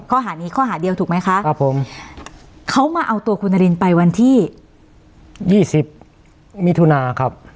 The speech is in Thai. ข้อหานี้ข้อหาเดียวถูกไหมคะครับผมเขามาเอาตัวคุณนารินไปวันที่ยี่สิบมิถุนาครับ